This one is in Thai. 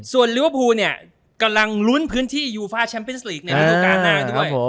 ส่วนเนี่ยกำลังลุ้นพื้นที่ชัมเปญส์ลีกในประตูการณ์หน้า